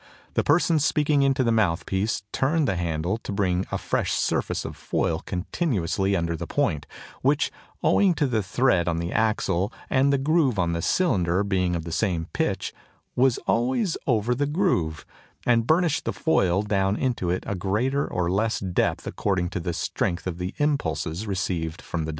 The person speaking into the mouthpiece turned the handle to bring a fresh surface of foil continuously under the point, which, owing to the thread on the axle and the groove on the cylinder being of the same pitch, was always over the groove, and burnished the foil down into it to a greater or less depth according to the strength of the impulses received from the diaphragm.